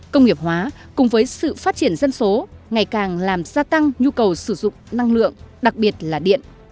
công nghiệp hóa cùng với sự phát triển dân số ngày càng làm gia tăng nhu cầu sử dụng năng lượng đặc biệt là điện